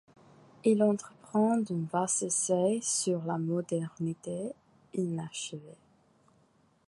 Il entreprend un vaste essai sur la modernité, inachevé.